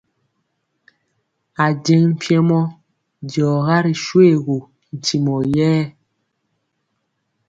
Ajeŋg mpiemɔ diɔga ri shoégu ntimɔ yɛɛ.